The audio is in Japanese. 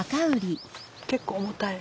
結構重たい。